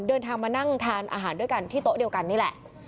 เดินทางมานั่งทานอาหารด้วยกันที่โต๊ะเดียวกันนี่แหละ